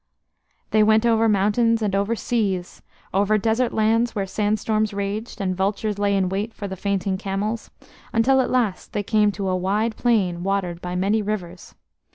They went over mountains and over seas, over desert lands where sandstorms raged and vultures lay in wait for the fainting camels, until at last they came to a wide plain watered by many rivers.